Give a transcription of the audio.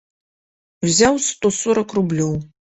Узяў сто сорак рублёў.